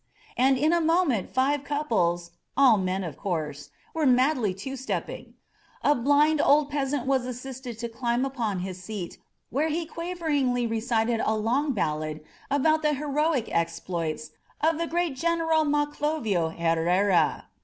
And in a moment five couples, all men, of course, were madly two step ping. A blind old peasant was assisted to climb upon his seat, where he quaveringly recited a long ballad about the heroic exploits of the great General Maclovio Herrera.